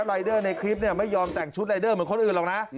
รายเดอร์ในคลิปไม่ยอมแต่งชุดรายเดอร์เหมือนคนอื่นหรอกนะ